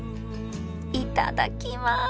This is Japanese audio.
いただきます！